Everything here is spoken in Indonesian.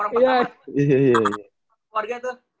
orang pertama keluarga tuh